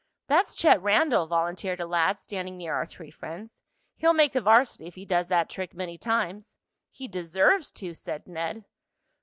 "That's Chet Randell," volunteered a lad standing near our three friends. "He'll make the varsity if he does that trick many times." "He deserves to," said Ned.